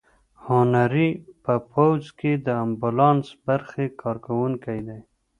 هنري په پوځ کې د امبولانس برخې کارکوونکی دی.